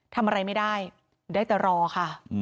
ทำอะไรไม่ได้ได้แต่รอค่ะ